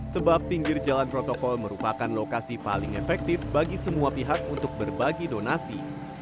sebab pinggir jalan protokol merupakan lokasi paling efektif bagi semua pihak untuk berbagi donasi